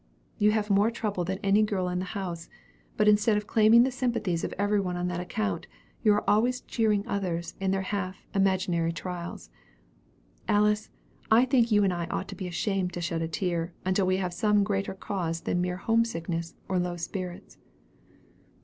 You have more trouble than any other girl in the house; but instead of claiming the sympathies of every one on that account, you are always cheering others in their little, half imaginary trials. Alice, I think you and I ought to be ashamed to shed a tear, until we have some greater cause than mere home sickness, or low spirits."